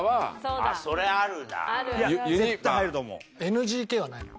ＮＧＫはないの？